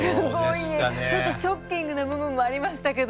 ちょっとショッキングな部分もありましたけど。